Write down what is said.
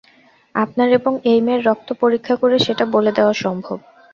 আপনার এবং এই মেয়ের রক্ত পরীক্ষা করে সেটা বলে দেয়া সম্ভব।